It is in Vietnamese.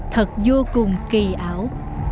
thật vô cùng kỳ ảo